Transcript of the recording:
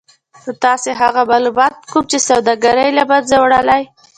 نو تاسې هغه مالومات کوم چې سوداګري له منځه وړلای